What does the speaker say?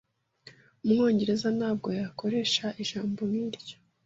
Umwongereza ntabwo yakoresha ijambo nkiryo.